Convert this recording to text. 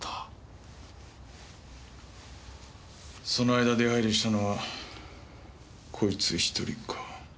その間出入りしたのはこいつ１人か。